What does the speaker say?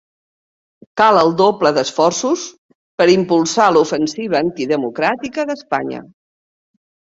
Cal el doble d'esforços per impulsar l'ofensiva antidemocràtica d'Espanya.